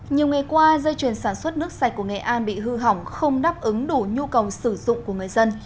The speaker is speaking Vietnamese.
nhiều ngày qua dây chuyền sản xuất nước sạch của nghệ an bị hư hỏng không đáp ứng đủ nhu cầu sử dụng của người dân